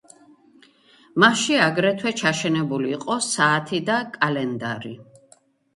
მასში აგრეთვე ჩაშენებული იყო საათი და კალენდარი.